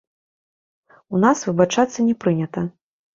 У нас выбачацца не прынята.